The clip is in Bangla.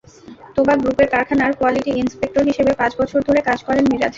তোবা গ্রুপের কারখানার কোয়ালিটি ইন্সপেক্টর হিসেবে পাঁচ বছর ধরে কাজ করেন মিরাজ।